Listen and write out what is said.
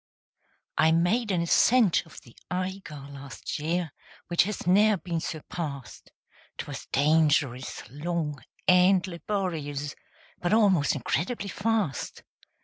I made an ascent of the Eiger Last year, which has ne'er been surpassed; 'Twas dangerous, long, and laborious, But almost incredibly fast.